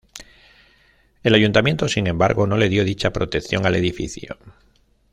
El ayuntamiento, sin embargo, no le dio dicha protección al edificio.